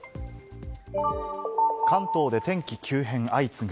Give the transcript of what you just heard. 関東で天気急変相次ぐ。